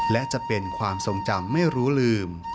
และจะเป็นความทรงจำไม่รู้ลืม